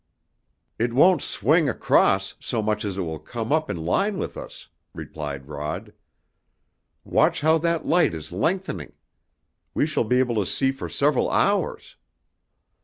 "It won't swing across so much as it will come up in line with us," replied Rod. "Watch how that light is lengthening! We shall be able to see for several hours."